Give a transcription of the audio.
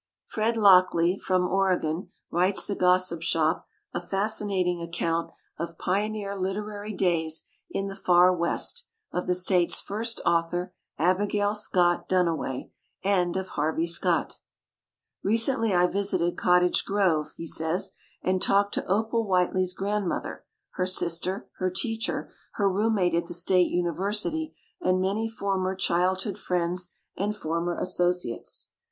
Fred Lockley, from Oregon, writes the Gossip Shop a fascinating account of pioneer literary days in the far west, of the state's first author, Abi gail Scott Duniway, and of Harvey Scott. "Recently I visited Cottage Grove", he says, "and talked to Opal Whiteley's grandmother, her sister, her teacher, her roommate at the State University, and many former childhood friends and former associates."